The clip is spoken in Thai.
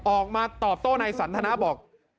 ออกมาตอบโต้นายสันทนาบอก